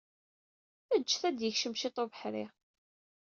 Ǧǧet ad d-yekcem ciṭ ubeḥri.